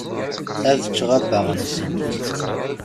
Ad ččeɣ abbaɣ-nsent.